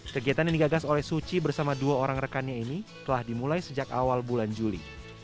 kegiatan yang digagas oleh suci bersama dua orang rekannya ini telah dimulai sejak awal bulan juli